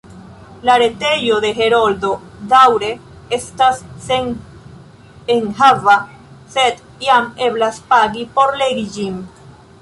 La retejo de Heroldo daŭre estas senenhava, sed jam eblas pagi por legi ĝin.